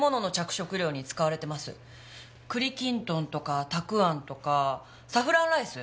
栗きんとんとかたくわんとかサフランライス！